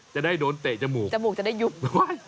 จะได้โดนเตะจมูกจะได้ยุบ